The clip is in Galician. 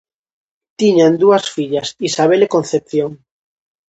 Tiñan dúas fillas, Isabel e Concepción.